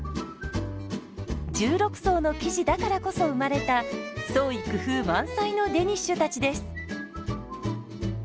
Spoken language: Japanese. １６層の生地だからこそ生まれた創意工夫満載のデニッシュたちです。